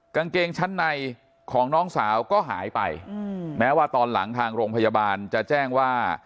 กางเกงชั้นในของน้องสาวก็หายไปแม้ว่าตอนหลังทางโรงพยาบาลจะแจ้งว่า